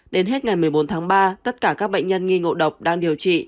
đến hết ngày một mươi bốn tháng ba tất cả các bệnh nhân nghi ngộ độc đang điều trị